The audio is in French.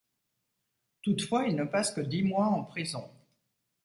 Toutefois, il ne passe que dix mois en prison.